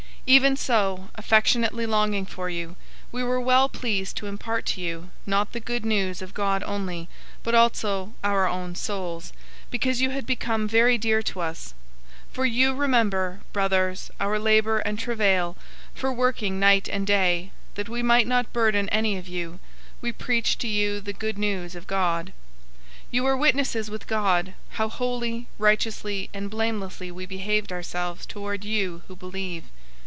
002:008 Even so, affectionately longing for you, we were well pleased to impart to you, not the Good News of God only, but also our own souls, because you had become very dear to us. 002:009 For you remember, brothers, our labor and travail; for working night and day, that we might not burden any of you, we preached to you the Good News of God. 002:010 You are witnesses with God, how holy, righteously, and blamelessly we behaved ourselves toward you who believe.